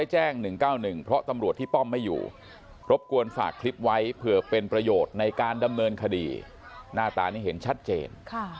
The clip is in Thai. หน้าตานี้เห็นชัดเจน